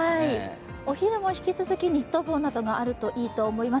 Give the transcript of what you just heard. お昼も引き続きニット帽などがあるといいと思います。